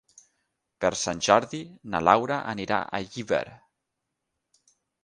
Per Sant Jordi na Laura anirà a Llíber.